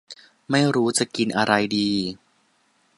ไม่รู้จะกินอะไรดี